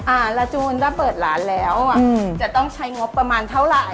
ลาจูนถ้าเปิดร้านแล้วอ่ะจะต้องใช้งบประมาณเท่าไหร่